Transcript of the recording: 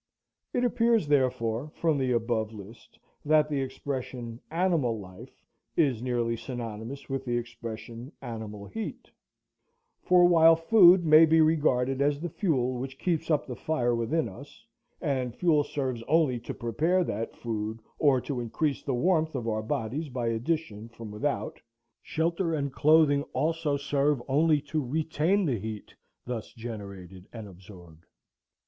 It appears, therefore, from the above list, that the expression, animal life, is nearly synonymous with the expression, animal heat; for while Food may be regarded as the Fuel which keeps up the fire within us,—and Fuel serves only to prepare that Food or to increase the warmth of our bodies by addition from without,—Shelter and Clothing also serve only to retain the heat thus generated and absorbed.